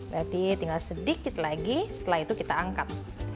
berarti tinggal sedikit lagi setelah itu kita angkat